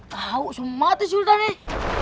tau mau mati sultan nih